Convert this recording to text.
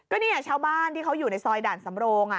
ก็เนี่ยชาวบ้านที่เขาอยู่ในซอยด่านสำโรง